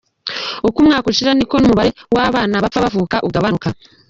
Uko umwaka ushira niko n’umubare w’abana bapfa bavuka ugabanuka.